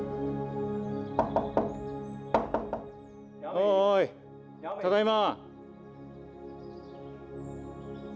おいただいま！